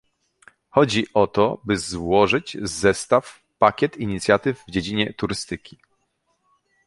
Chodzi o to, by złożyć zestaw, pakiet inicjatyw w dziedzinie turystyki